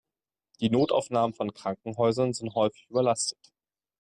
Die Notaufnahmen von Krankenhäusern sind häufig überlastet.